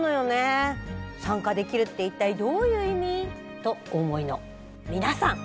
参加できるって一体どういう意味？とお思いの皆さん